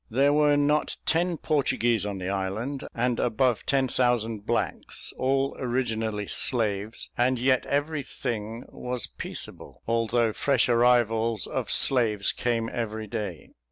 There were not ten Portuguese on the island, and above ten thousand blacks, all originally slaves; and yet every thing was peaceable, although fresh arrivals of slaves came every day.